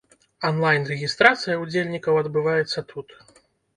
Анлайн-рэгістрацыя ўдзельнікаў адбываецца тут.